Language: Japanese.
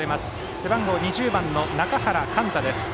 背番号２０番、中原幹太です。